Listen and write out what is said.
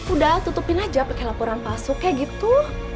udah tutupin aja pakai laporan pasuknya gitu